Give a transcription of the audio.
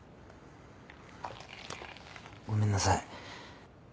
ごめんなさい。